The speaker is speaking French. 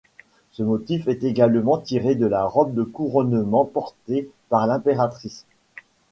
Ce motif est également tiré de la robe de couronnement portée par l'impératrice.